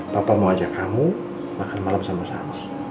papa mau ajak kamu makan malam sama sama